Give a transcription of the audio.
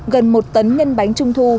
gần một tấn nhân bánh trung thu